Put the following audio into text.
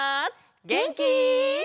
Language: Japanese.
げんき？